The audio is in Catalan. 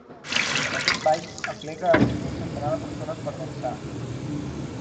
Aquest ball aplega a més d'un centenar de persones per dansar.